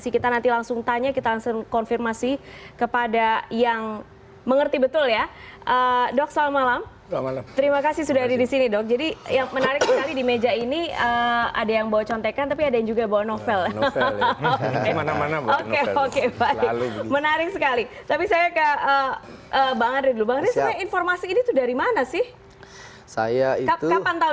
kapan taunya kapan taunya dulu